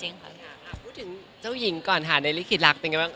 คุณพูดถึงเจ้าหญิงก่อนท้านในลิขิทรักก์เป็นยังไงบ้าง